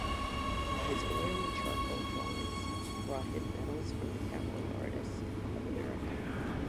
His oils and charcoal drawings brought him medals from the Cowboy Artists of America.